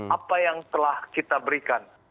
apa yang telah kita berikan